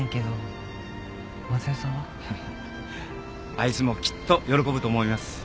あいつもきっと喜ぶと思います。